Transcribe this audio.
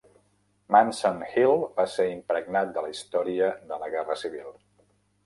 Munson Hill va ser impregnat de la història de la guerra civil.